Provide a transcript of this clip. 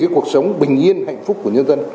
cuộc sống bình yên hạnh phúc của nhân dân